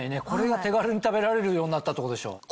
これが手軽に食べられるようになったってことでしょ？